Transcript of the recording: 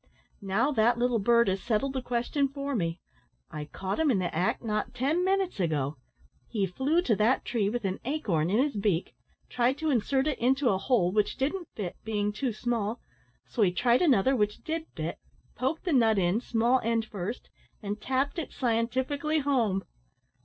Now that little bird has settled the question for me. I caught him in the act not ten minutes ago. He flew to that tree with an acorn in his beak, tried to insert it into a hole, which didn't fit, being too small; so he tried another, which did fit, poked the nut in, small end first, and tapped it scientifically home.